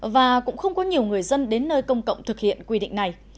và cũng không có nhiều người dân đến nơi công cộng thực hiện quy định này